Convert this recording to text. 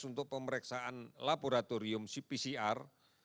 untuk pemeriksaan laboratorium cpcr